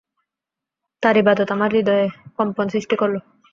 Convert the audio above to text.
তার ইবাদত আমার হৃদয়ে কম্পন সৃষ্টি করল।